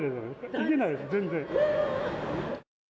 行けないです、全然。